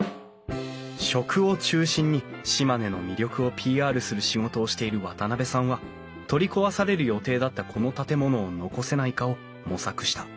食を中心に島根の魅力をＰＲする仕事をしている渡部さんは取り壊される予定だったこの建物を残せないかを模索した。